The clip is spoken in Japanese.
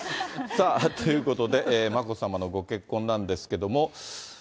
さあ、ということで、眞子さまのご結婚なんですけれども。